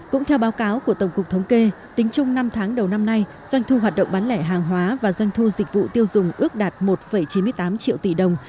cũng theo báo cáo của tổng cục thống kê tính chung năm tháng đầu năm nay doanh thu hoạt động bán lẻ hàng hóa và doanh thu dịch vụ tiêu dùng ước đạt một chín mươi tám triệu tỷ đồng